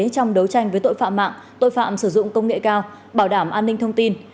trong đấu tranh với tội phạm mạng tội phạm sử dụng công nghệ cao bảo đảm an ninh thông tin